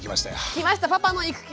来ました「パパの育休」。